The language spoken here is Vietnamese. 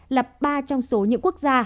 là ba trong số những quốc gia